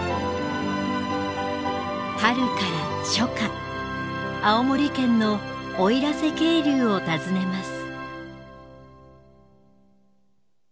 春から初夏青森県の奥入瀬渓流を訪ねます。